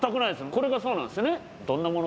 これがそうなんですね。